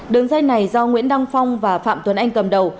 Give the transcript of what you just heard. đường dây này do nguyễn đăng phong và phạm tuấn anh cầm đầu